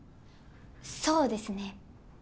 そうですね